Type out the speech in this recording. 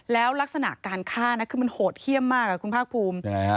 แล้วลักษณะการฆ่านะคือมันโหดเยี่ยมมากคุณภาคภูมิ